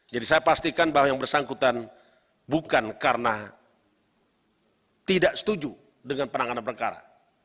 jadi saya pastikan bahwa yang bersangkutan bukan karena tidak setuju dengan penanganan perkara